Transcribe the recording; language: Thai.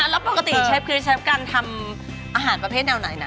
แล้วปกติเชฟคือเชฟการทำอาหารประเภทแนวไหนนะ